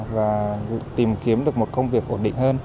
và tìm kiếm được một công việc ổn định hơn